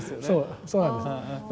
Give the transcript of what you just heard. そうそうなんです。